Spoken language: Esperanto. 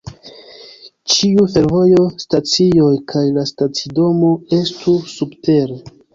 Ĉiu fervojo, stacioj kaj la stacidomo estu subtere.